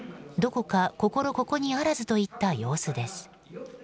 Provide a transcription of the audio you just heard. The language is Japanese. ここにあらずといった様子です。